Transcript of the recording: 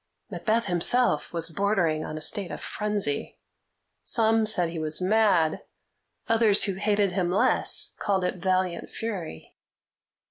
Macbeth himself was bordering on a state of frenzy. Some said he was mad; others, who hated him less, called it valiant fury.